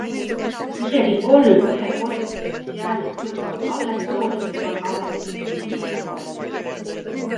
Isegi kolm ühekordseks jäänud kõrvalekallet toonitavad ametis püsimise normi.